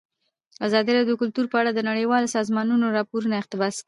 ازادي راډیو د کلتور په اړه د نړیوالو سازمانونو راپورونه اقتباس کړي.